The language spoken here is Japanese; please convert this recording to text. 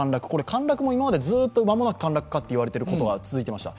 陥落も今までずっと陥落かと言われていることが続いていました。